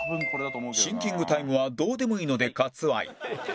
シンキングタイムはどうでもいいので割愛